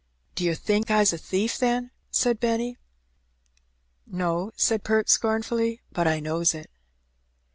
"D'yer think I's a thief, then?" said Benny. "No," said Perks scornfully, "but I knows it."